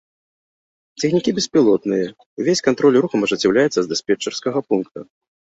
Цягнікі беспілотныя, увесь кантроль рухам ажыццяўляецца з дыспетчарскага пункта.